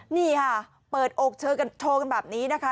นี่ค่ะเปิดโอกเชิงกันโชว์กันแบบนี้นะคะ